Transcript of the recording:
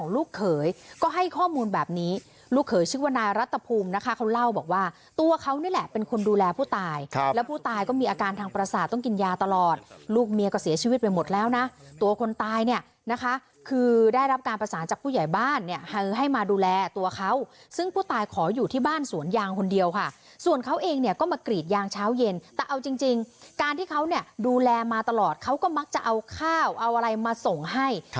แล้วผู้ตายก็มีอาการทางปรศาสตร์ต้องกินยาตลอดลูกเมียก็เสียชีวิตไปหมดแล้วนะตัวคนตายเนี่ยนะคะคือได้รับการประสานจากผู้ใหญ่บ้านเนี่ยให้มาดูแลตัวเขาซึ่งผู้ตายขออยู่ที่บ้านสวนยางคนเดียวค่ะส่วนเขาเองเนี่ยก็มากรีดยางเช้าเย็นแต่เอาจริงจริงการที่เขาเนี่ยดูแลมาตลอดเขาก็มักจะเอาข้าวเอาอะไรมาส่งให